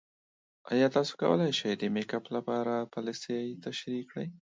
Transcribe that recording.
ایا تاسو کولی شئ د میک اپ کار لپاره پالیسۍ تشریح کړئ؟